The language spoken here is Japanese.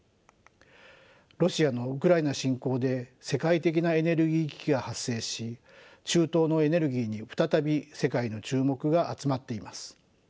ロシアのウクライナ侵攻で世界的なエネルギー危機が発生し中東のエネルギーに再び世界の注目が集まっています。